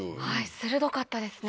鋭かったですね。